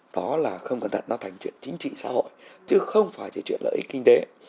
đó là không cẩn thận nó thành chuyện chính trị xã hội chứ không phải chỉ chuyện lợi ích kinh tế